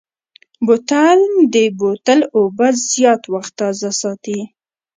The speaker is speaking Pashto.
بوتل د بوتل اوبه زیات وخت تازه ساتي.